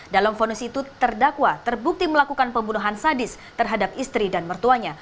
dalam fonis itu terdakwa terbukti melakukan pembunuhan sadis terhadap istri dan mertuanya